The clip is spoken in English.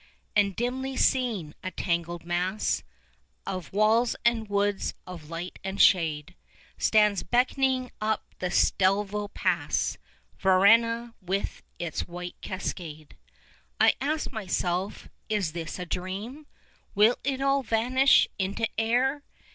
And dimly seen, a tangled mass Of walls and woods, of light and shade, 30 Stands beckoning up the Stelvio Pass Varenna with its white cascade. I ask myself, Is this a dream? Will it all vanish into air?